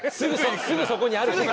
すぐそこにあるし。